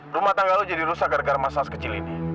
rumah tangga lo jadi rusak gara gara masa kecil ini